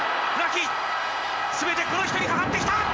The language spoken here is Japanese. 全てこの人にかかってきた！